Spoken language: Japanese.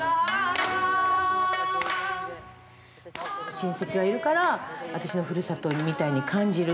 親戚がいるから私のふるさとみたいに感じる。